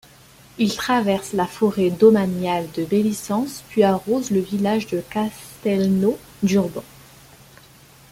Il traverse la forêt domaniale de Belissens puis arrose le village de Castelnau-Durban.